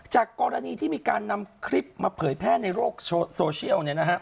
จากกรณีที่มีการนำคลิปมาเผยแพร่ในโลกโซเชียล